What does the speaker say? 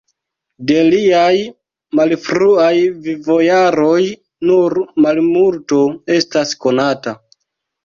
De liaj malfruaj vivojaroj nur malmulto estas konata.